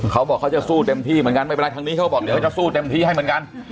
เขาบอกเขาจะสู้เต็มที่เหมือนกันไม่เป็นไรทางนี้เขาบอกเดี๋ยวเขาจะสู้เต็มที่ให้เหมือนกัน